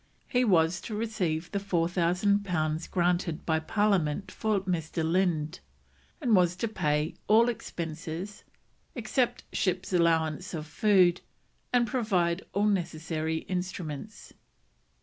He was to receive the 4000 pounds granted by Parliament for Dr. Lynd, and was to pay all expenses, except ship's allowance of food, and provide all necessary instruments.